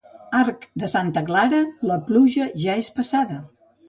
Arc de santa Clara, la pluja ja és passada.